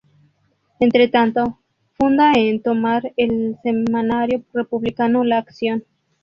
Entre tanto, funda en Tomar el semanario republicano "La Acción".